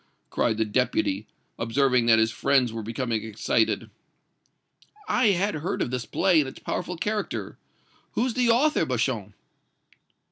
cried the Deputy, observing that his friends were becoming excited. "I had heard of this play and its powerful character. Who's the author, Beauchamp?"